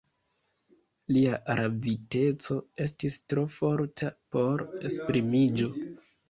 Lia raviteco estis tro forta por esprimiĝo.